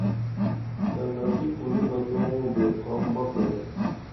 چالاکی کُری بہ تو موں بے پھام مہ کُرے